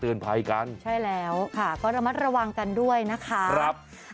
เตือนภัยกันใช่แล้วค่ะก็ระมัดระวังกันด้วยนะคะ